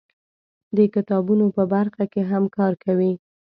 د کتابونو په برخه کې هم کار کوي.